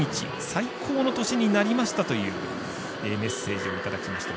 最高の年になりましたというメッセージをいただきました。